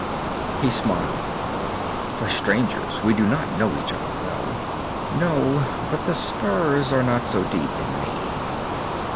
He smiled. "For strangers, we do know each other well. No. But the spurs are not so deep in me."